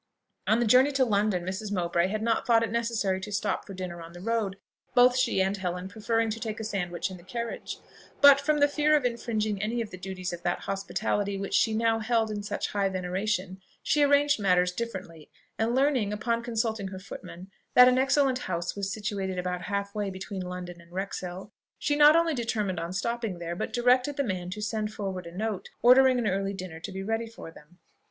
On the journey to London, Mrs. Mowbray had not thought it necessary to stop for dinner on the road, both she and Helen preferring to take a sandwich in the carriage; but, from the fear of infringing any of the duties of that hospitality which she now held in such high veneration, she arranged matters differently, and learning, upon consulting her footman, that an excellent house was situated about half way between London and Wrexhill, she not only determined on stopping there, but directed the man to send forward a note, ordering an early dinner to be ready for them.